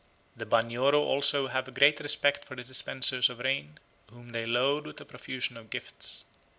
The Banyoro also have a great respect for the dispensers of rain, whom they load with a profusion of gifts.